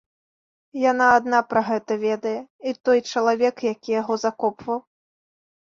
Яна адна пра гэта ведае і той чалавек, які яго закопваў.